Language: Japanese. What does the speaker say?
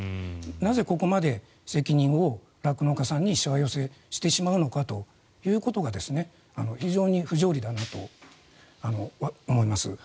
なぜ、ここまで責任を酪農さんにしわ寄せしてしまうのかということが非常に不条理だなと思います。